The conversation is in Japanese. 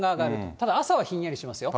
ただ、朝はひんやりしますよ。